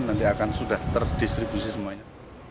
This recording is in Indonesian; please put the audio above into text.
nanti akan sudah terdistribusi semuanya